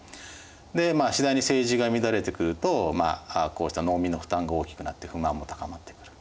で次第に政治が乱れてくるとこうした農民の負担が大きくなって不満も高まってくる。